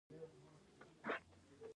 د حاجي ګک د وسپنې کان په کوم ولایت کې دی؟